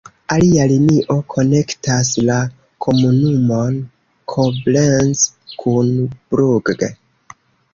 Alia linio konektas la komunumon Koblenz kun Brugg.